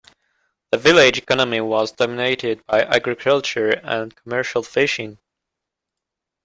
The village economy was dominated by agriculture and commercial fishing.